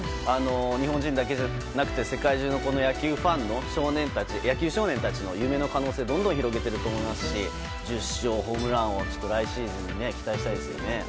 日本人だけじゃなくて世界中の野球ファンの野球少年たちの夢の可能性をどんどん広げていると思いますし１０勝、ホームランを来シーズン期待したいです。